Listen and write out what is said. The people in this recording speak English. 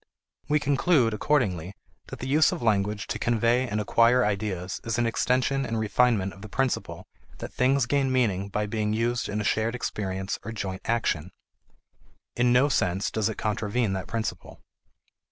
We conclude, accordingly, that the use of language to convey and acquire ideas is an extension and refinement of the principle that things gain meaning by being used in a shared experience or joint action; in no sense does it contravene that principle.